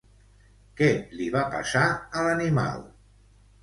Què li va passar a l'animal?